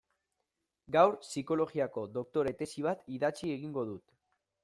Gaur psikologiako doktore tesi bat idatzi egingo dut.